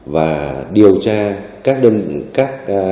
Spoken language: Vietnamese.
và điều tra các chính sách hình sự của các đơn vị quản lý địa bàn